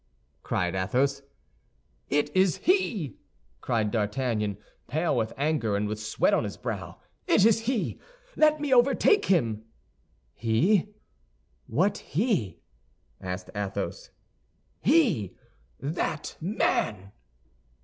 cried Athos. "It is he!" cried D'Artagnan, pale with anger, and with the sweat on his brow, "it is he! let me overtake him!" "He? What he?" asked Athos. "He, that man!"